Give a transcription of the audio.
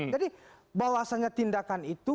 jadi bahwasannya tindakan itu